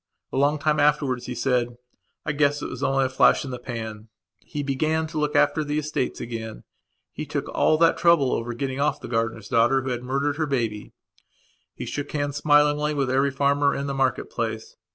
A long time afterwards he said: "I guess it was only a flash in the pan." He began to look after the estates again; he took all that trouble over getting off the gardener's daughter who had murdered her baby. He shook hands smilingly with every farmer in the market place.